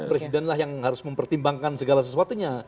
presiden lah yang harus mempertimbangkan segala sesuatunya